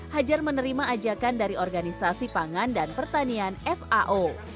hajar menerima ajakan dari organisasi pangan dan pertanian fao